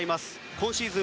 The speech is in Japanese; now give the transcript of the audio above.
今シーズン